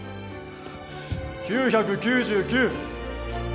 ９９９。